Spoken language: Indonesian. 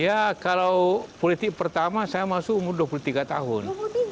ya kalau politik pertama saya masuk umur dua puluh tiga tahun